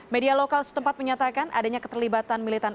media lokal setempat menyatakan adanya keterlibatan militan